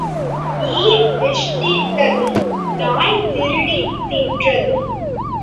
ஈ விஷ்டித்ததும் நாய் திருடித் தின்றதும்.